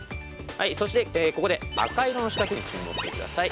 そしてここで赤色の四角に注目してください。